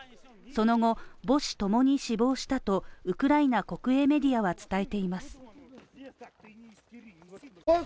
その後、母子共に死亡したとウクライナ国営メディアは伝えています。